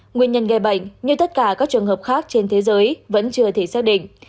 nguyên nhân gây bệnh nhưng tất cả các trường hợp khác trên thế giới vẫn chưa thể xác định